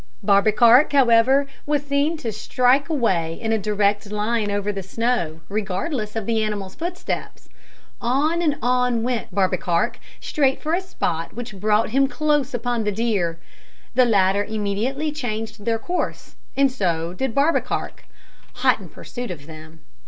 Barbekark, however, was seen to strike away in a direct line over the snow, regardless of the animals' footsteps. On and on went Barbekark, straight for a spot which brought him close upon the deer. The latter immediately changed their course, and so did Barbekark, hot in pursuit of them.